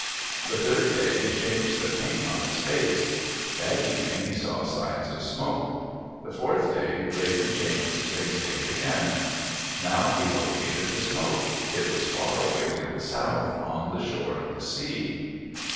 The third day he changed the paint on his face. That evening he saw signs of smoke. The fourth day Raven changed his face paint again. Now he located the smoke. It was far away to the south, on the shore of the sea.